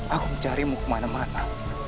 aku mencarimu kemana mana